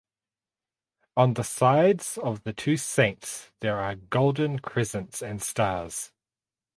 On the sides of the two saints there are golden crescents and stars.